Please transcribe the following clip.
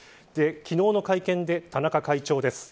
昨日の会見で田中会長です。